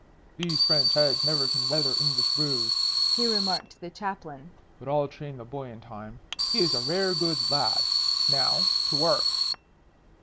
"These French heads never can weather English brews," he remarked to the Chaplain. "But I'll train the boy in time. He is a rare good lad. Now, to work."